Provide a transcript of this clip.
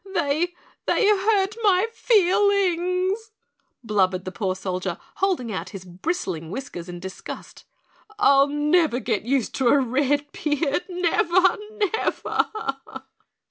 "They they hurt my feelings," blubbered the poor Soldier, holding out his bristling whiskers in disgust. "I'll never get used to a red beard. Never! Never!"